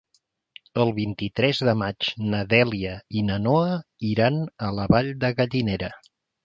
El vint-i-tres de maig na Dèlia i na Noa iran a la Vall de Gallinera.